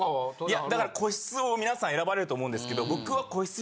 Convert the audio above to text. いやだから個室を皆さん選ばれると思うんですけど僕は。